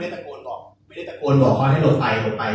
ไม่ได้ตะโกนบอกไม่ได้ตะโกนบอกว่าให้หลบไปหลบไป